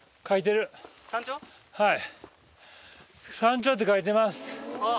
はい。